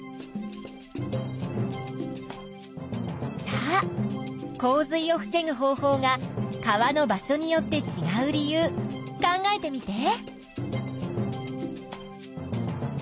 さあ洪水を防ぐ方法が川の場所によってちがう理由考えてみて。